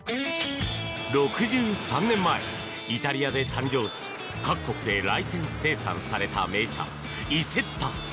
６３年前、イタリアで誕生し各国でライセンス生産された名車、イセッタ。